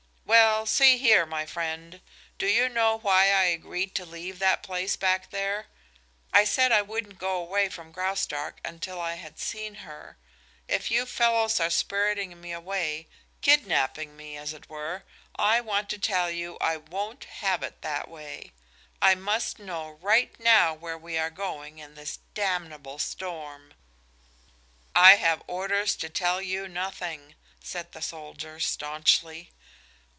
"Well, see here, my friend, do you know why I agreed to leave that place back there? I said I wouldn't go away from Graustark until I had seen her. If you fellows are spiriting me away kidnapping me, as it were, I want to tell you I won't have it that way. I must know, right now, where we are going in this damnable storm." "I have orders to tell you nothing," said the soldier, staunchly.